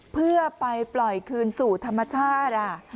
เพื่อไปปล่อยคืนสู่ธรรมชาติ